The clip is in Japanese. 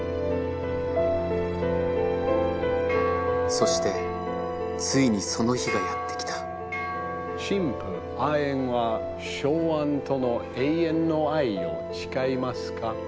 そしてついにその日がやって来た新婦アエンはショウアンとの永遠の愛を誓いますか？